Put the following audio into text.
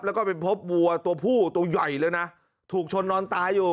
แล้วก็ไปพบวัวตัวผู้ตัวใหญ่เลยนะถูกชนนอนตายอยู่